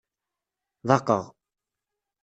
Ḍaqeɣ!